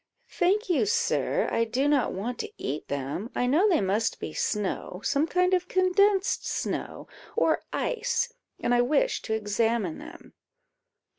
"Thank you, sir; I do not want to eat them; I know they must be snow, some kind of condensed snow, or ice, and I wished to examine them."